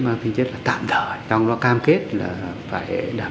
mà tính chất là tạm thời trong đó cam kết là phải đảm bảo an toàn